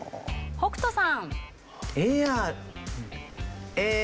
北斗さん